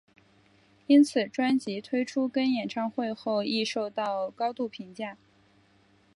因此专辑推出跟演唱会后亦受到高度评价。